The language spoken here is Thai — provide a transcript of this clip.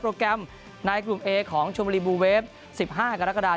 โปรแกรมนายกลุ่มเอของชมบลูเวฟ๑๕กรกฎา